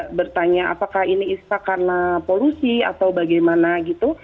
mereka bertanya apakah ini ispa karena polusi atau bagaimana gitu